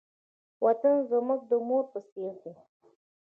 وطن زموږ د مور په څېر دی.